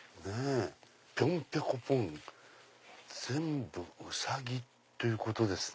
ぴょんぴょこぴょん全部ウサギということですね。